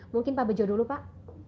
mungkin pak bejo dulu pak